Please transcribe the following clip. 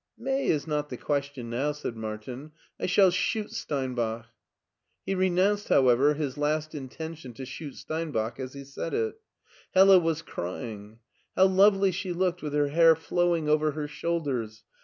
" May is not the question now," said Martin ;*' I shall shoot Steinbach." He renounced, however, his last intention to shoot Steinbach as he said it. Hella was crying. How lovely she looked with her hair flowing over her shoulders